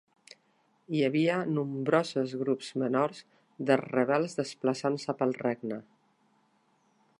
Hi havia nombroses grups menors de rebels desplaçant-se pel regne.